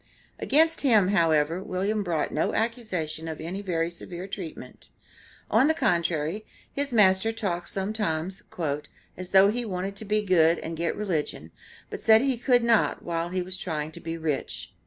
Against him, however, William brought no accusation of any very severe treatment; on the contrary, his master talked sometimes "as though he wanted to be good and get religion, but said he could not while he was trying to be rich."